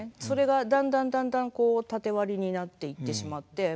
それがだんだんだんだんこう縦割りになっていってしまって。